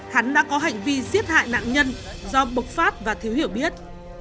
hắn đã có hành vi giết hại nạn nhân do bộc phát và thiếu hiểu biết